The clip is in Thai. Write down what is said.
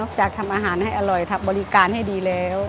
จากทำอาหารให้อร่อยบริการให้ดีแล้ว